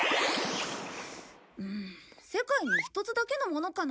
うん世界に一つだけのものかな。